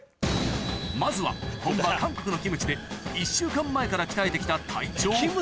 まずは本場韓国のキムチで１週間前から鍛えてきた隊長